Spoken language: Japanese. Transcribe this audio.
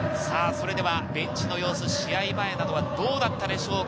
ベンチの様子、試合前などはどうだったでしょうか？